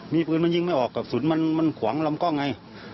มีปืนมันยิงไม่ออกกระสุนมันขวางลำกล้องไง